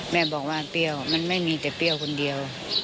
แม่บอกว่าเปรี้ยวมันไม่มีแต่เปรี้ยวคนเดียว